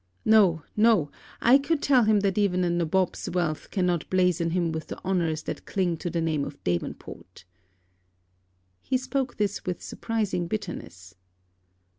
No: no! I could tell him that even a nabob's wealth cannot blazen him with the honours that cling to the name of Davenport.' He spoke this with surprising bitterness.